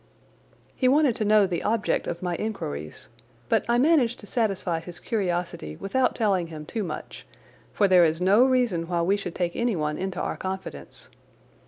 He wanted to know the object of my inquiries, but I managed to satisfy his curiosity without telling him too much, for there is no reason why we should take anyone into our confidence.